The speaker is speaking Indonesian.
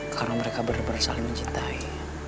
karena mereka bener bener saling mencintai